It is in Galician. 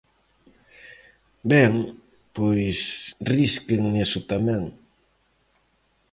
Ben, pois risquen iso tamén.